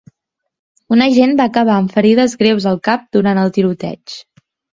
Un agent va acabar amb ferides greus al cap durant el tiroteig.